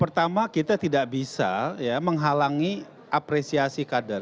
pertama kita tidak bisa menghalangi apresiasi kader